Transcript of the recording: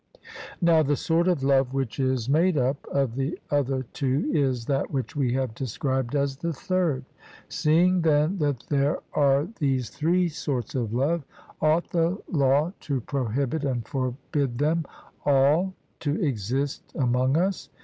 Now the sort of love which is made up of the other two is that which we have described as the third. Seeing then that there are these three sorts of love, ought the law to prohibit and forbid them all to exist among us?